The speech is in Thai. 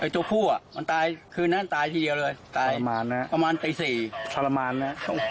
ตัวผู้มันตายคืนน่ะตายทีเดียวเลยตายประมาณปี๔ทรมานนะ